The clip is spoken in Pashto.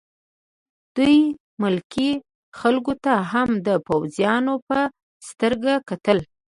دوی ملکي خلکو ته هم د پوځیانو په سترګه کتل